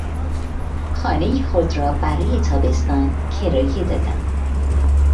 خانهی خود را برای تابستان کرایه دادم.